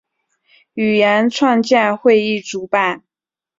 语言创建会议主办。